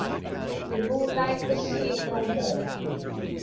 The moonlight was seen no more.